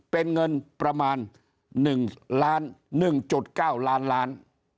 เป็นเงินประมาณ๑๑๙ล้านล้าน